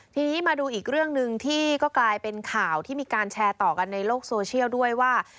ทีนี้มาดูอีกเรื่องหนึ่งที่ก็กลายเป็นข่าวที่มีการแชร์ต่อกันในโลกโซเชียลด้วยว่า